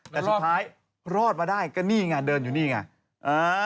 แต่สุดท้ายรอดมาได้ก็นี่ไงเดินอยู่นี่ไง